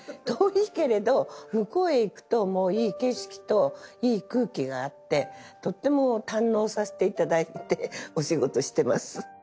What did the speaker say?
遠いけれど向こうへ行くといい景色といい空気があってとっても堪能させていただいてお仕事してます。